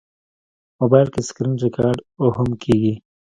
موبایل کې سکرینریکارډ هم کېږي.